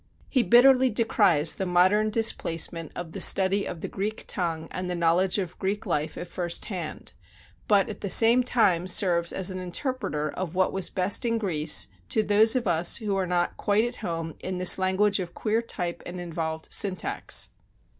'" He bitterly decries the modern displacement of the study of the Greek tongue and the knowledge of Greek life at first hand; but at the same time serves as an interpreter of what was best in Greece to those of us who are not quite at home in this language of queer type and involved syntax.